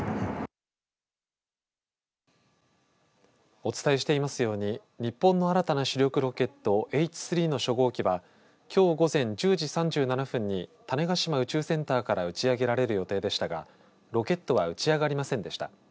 お伝えしていますように日本の新たな主力ロケットＨ３の初号機はきょう午前１０時３７分に種子島宇宙センターから打ち上げられる予定でしたがロケットは打ち上がりませんでした。